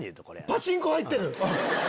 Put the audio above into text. パチンコ入ってる！